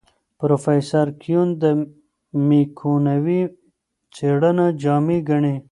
پروفیسر کیون میکونوی څېړنه جامع ګڼي.